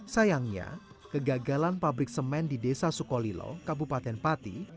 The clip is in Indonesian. sayangnya kegagalan pabrik semen di desa sukolilo kabupaten pati